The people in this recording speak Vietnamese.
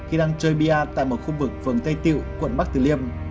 khi đang chơi pa tại một khu vực phường tây tiệu quận bắc từ liêm